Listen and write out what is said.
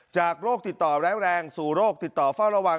โรคติดต่อร้ายแรงสู่โรคติดต่อเฝ้าระวัง